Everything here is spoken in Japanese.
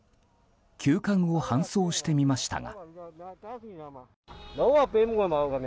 急患を搬送してみましたが。